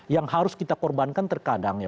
yang harus kita korbankan terkadang ya